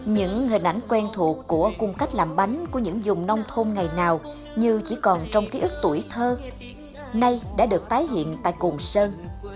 những hình ảnh quen thuộc của cung cách làm bánh của những dùng nông thôn ngày nào như chỉ còn trong ký ức tuổi thơ nay đã được tái hiện tại cồn sơn